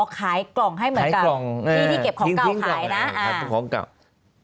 อ๋อขายกล่องให้เหมือนกับที่ที่เก็บของเก่าขายนะ